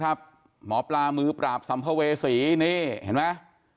หมอปลามือปราบสัมภเวษีนี่เห็นไหม